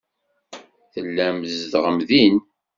Tellam tzedɣem din.